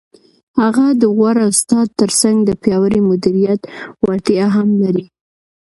هغه د غوره استاد تر څنګ د پیاوړي مدیریت وړتیا هم لري.